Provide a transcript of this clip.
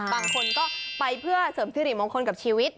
บางคนก็ไปเพื่อเสริมที่หลีมองคนกับชีวิต